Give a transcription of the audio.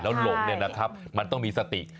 แล้วหลงต้องมีสติ